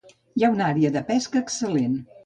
Hi ha una àrea de pesca excel·lent.